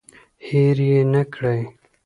هیر یې نکړئ.